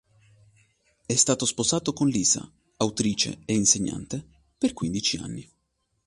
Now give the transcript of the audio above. È stato sposato con Lisa, autrice e insegnante, per quindici anni.